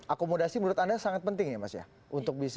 akomodasi menurut anda sangat penting ya mas ya